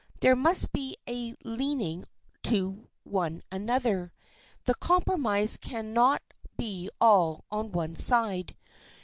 There must be a leaning to one another. The compromise can not be all on one side.